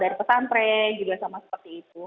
dari pesantren juga sama seperti itu